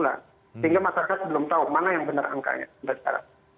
karena masyarakat belum tahu mana yang benar angkanya